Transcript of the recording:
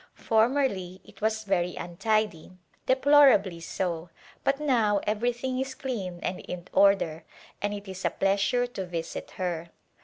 Formerly it was very untidy, deplorably so, but now everything is clean and in order and it is a pleas ure to visit her.